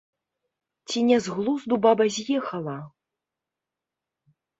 Ці не з глузду баба з'ехала?